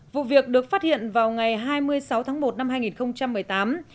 vụ việc được phát hiện vào ngày hai mươi sáu tháng một năm hai nghìn một mươi tám